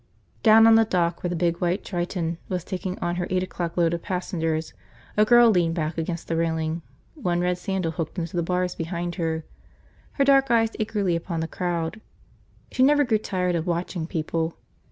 Down on the dock where the big white Triton was taking on her eight o'clock load of passengers a girl leaned back against the railing, one red sandal hooked into the bars behind her, her dark eyes eagerly upon the crowd. She never grew tired of watching people.